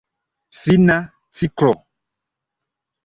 Fina ciklo.